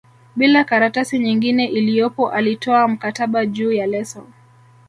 bila karatasi nyingine iliyopo alitoa mkataba juu ya leso